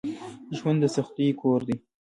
ژوند دسختیو کور دی